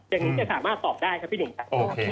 อย่างนี้สามารถตอบได้ค่ะพี่หนุ่ม